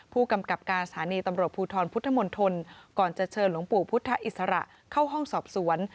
ผู้กำกับการสถานีตำรวจภูทรพุทธมนตรก่อนจะเชิญหลวงปู่พุทธอิสระเข้าห้องสอบสวน